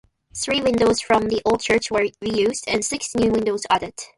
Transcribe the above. Three windows from the old church were reused and six new windows added.